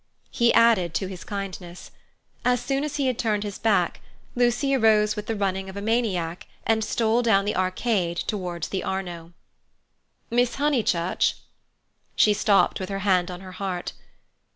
He added to his kindness. As soon as he had turned his back, Lucy arose with the running of a maniac and stole down the arcade towards the Arno. "Miss Honeychurch!" She stopped with her hand on her heart.